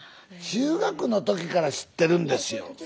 中学の時から知ってるんですよ。